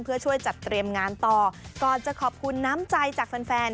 เพื่อช่วยจัดเตรียมงานต่อก่อนจะขอบคุณน้ำใจจากแฟนแฟน